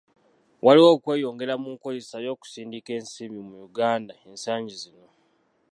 Waliwo okweyongera mu nkozesa y'okusindika ensimbi mu Uganda ensangi zino.